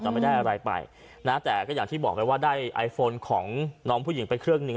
แต่ไม่ได้อะไรไปนะแต่ก็อย่างที่บอกไปว่าได้ไอโฟนของน้องผู้หญิงไปเครื่องหนึ่ง